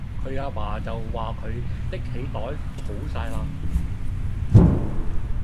佢阿爸就話佢拎起袋好哂喇